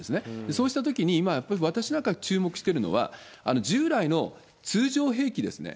そうしたときに今やっぱり、私なんか注目しているのは、従来の通常兵器ですね、